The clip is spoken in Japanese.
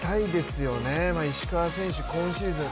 石川選手、今シーズン